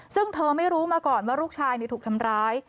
ซึ่งเธอไม่รู้มาก่อนว่าลูกชายถูกทำร้าย